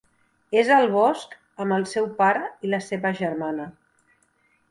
És al bosc amb el seu pare i la seva germana.